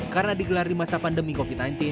karena digelar di masa pandemi covid sembilan belas